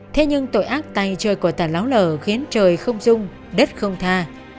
thế nhưng tội ác tay chơi của tàn lão lở khiến trời không dung đất không tha